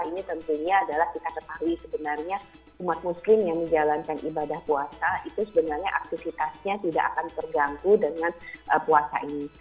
ini tentunya adalah kita ketahui sebenarnya umat muslim yang menjalankan ibadah puasa itu sebenarnya aktivitasnya tidak akan terganggu dengan puasa ini